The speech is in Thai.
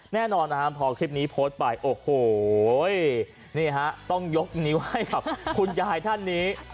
แน่นอนนะครับพอคลิปนี้โพสต์ไปโอ้โหนี่ฮะต้องยกนิ้วให้กับคุณยายท่านนี้